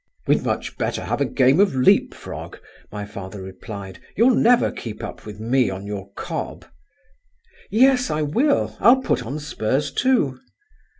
"We'd much better have a game of leap frog," my father replied. "You'll never keep up with me on your cob." "Yes, I will; I'll put on spurs too."